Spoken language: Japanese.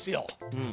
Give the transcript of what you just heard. うん。